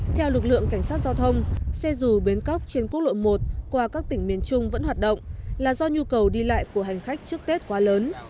theo lực lượng cảnh sát giao thông xe dù bến cóc trên quốc lộ một qua các tỉnh miền trung vẫn hoạt động là do nhu cầu đi lại của hành khách trước tết quá lớn